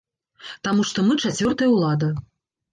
Таму што мы чацвёртая ўлада.